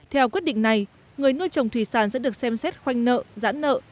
theo quyết định này người nuôi trồng thủy sản sẽ được xem xét khoanh nợ giãn nợ